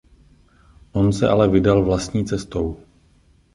On se ale vydal vlastní cestou.